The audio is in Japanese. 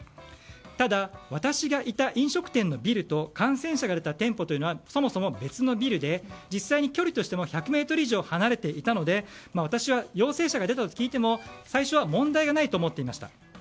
ただ、私がいた飲食店のビルと感染者が出た店舗というのはそもそも別のビルで実際に距離としても１００ｍ以上離れていたので私は、陽性者がいると聞いても最初は問題ないと思っていました。